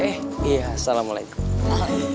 eh iya salamualaikum